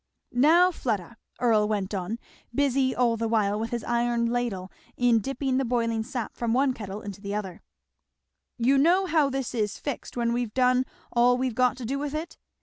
"Now, Fleda," Earl went on, busy all the while with his iron ladle in dipping the boiling sap from one kettle into the other, "you know how this is fixed when we've done all we've got to do with it?